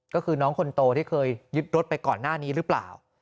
ก็คือน้องคนโตที่เคยยึดรถไปก่อนหน้านี้หรือเปล่า